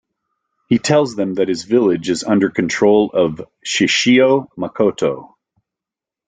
He tells them that his village is under control of Shishio Makoto.